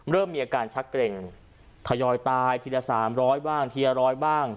เริ่มมีอาการชักเกร็งทยอยตายทีละ๓๐๐บ้างทีละร้อยบ้าง